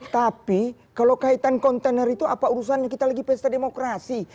tapi kalau kaitan kontainer itu apa urusannya kita lagi pesta demokrasi